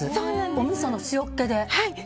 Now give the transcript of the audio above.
おみその塩気で。